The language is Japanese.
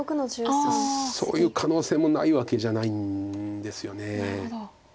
そういう可能性もないわけじゃないんですよね。